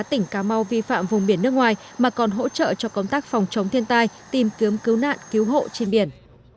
tỉnh cà mau vi phạm vùng biển nước ngoài mà còn hỗ trợ cho công tác phòng chống thiên tai tìm kiếm cứu nạn cứu hộ trên biển